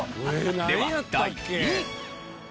では第２位！